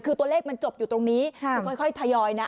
คือตัวเลขมันจบอยู่ตรงนี้คือค่อยทยอยนะ